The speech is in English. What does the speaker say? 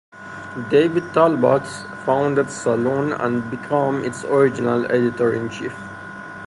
David Talbot founded "Salon" and became its original editor-in-chief.